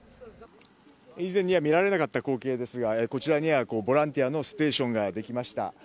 以前には見られなかった光景ですがこちらにはボランティアのステーションができました。